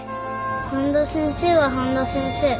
半田先生は半田先生。